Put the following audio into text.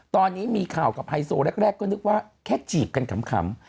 ตอนนี้มีข่าวกับไฮโซแรกก็นึกว่าแค่จีบกันขำ